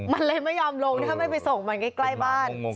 มันเลยไม่ยอมลงถ้าไม่ไปส่งมันใกล้บ้าน